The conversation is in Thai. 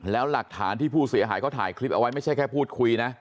แล้วหลักฐานที่ผู้เสียหายเขาถ่ายคลิปเอาไว้ไม่ใช่แค่พูดคุยนะ